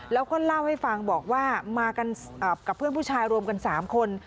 แล้วก็เล่าให้ฟังบอกว่ามากันกับเพื่อนผู้ชายรวมกัน๓คน